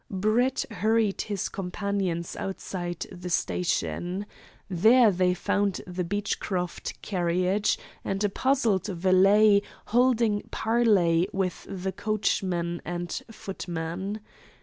Brett hurried his companions outside the station. There they found the Beechcroft carriage, and a puzzled valet holding parley with the coachman and footman.